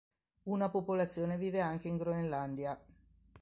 Una popolazione vive anche in Groenlandia.